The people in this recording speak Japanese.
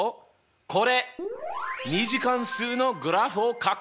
これ２次関数のグラフをかく！